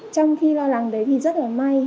trong khi lo lắng đấy thì rất là may